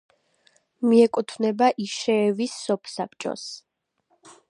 მიეკუთვნება იშეევის სოფსაბჭოს.